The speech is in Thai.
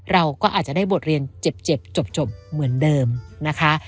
เราก็อาจจะได้บทเรียนเจ็บจบเหมือนเดิมนะคะ